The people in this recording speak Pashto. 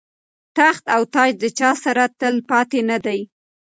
تخت او تاج د چا سره تل پاتې نه دی.